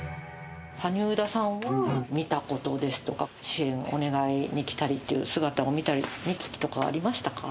萩生田さんを見たことですとか、支援をお願いに来たりっていう姿を見たりとかはありましたか？